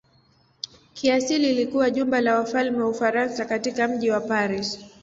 Kiasili ilikuwa jumba la wafalme wa Ufaransa katika mji wa Paris.